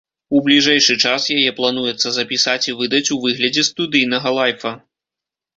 У бліжэйшы час яе плануецца запісаць і выдаць у выглядзе студыйнага лайфа.